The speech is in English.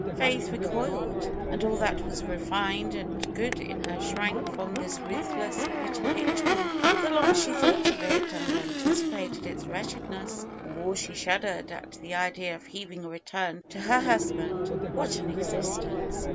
Faith recoiled, and all that was refined and good in her shrank from this ruthless, bitter picture. The longer she thought of it and anticipated its wretch edness, the more she shuddered at the idea of braving a return to her husband. What an existence!